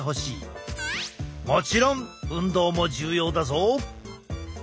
もちろん運動も重要だぞ。